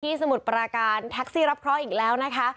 สมุทรปราการแท็กซี่รับเคราะห์อีกแล้วนะคะ